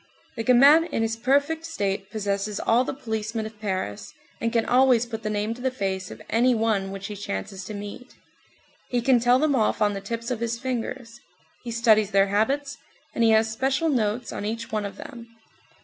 The gamin in his perfect state possesses all the policemen of Paris, and can always put the name to the face of any one which he chances to meet. He can tell them off on the tips of his fingers. He studies their habits, and he has special notes on each one of them.